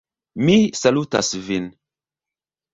Mi salutas vin!